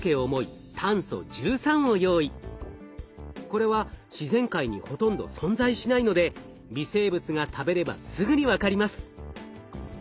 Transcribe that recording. これは自然界にほとんど存在しないので微生物が食べればすぐにわかります。